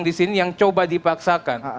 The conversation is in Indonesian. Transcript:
disini yang coba dipaksakan